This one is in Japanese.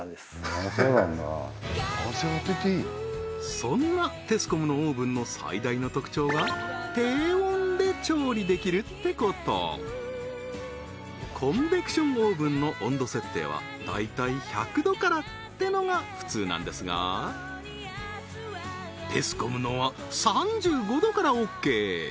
そんなテスコムのオーブンの最大の特徴は低温で調理できるってことコンベクションオーブンの温度設定は大体１００度からってのが普通なんですがテスコムのは３５度からＯＫ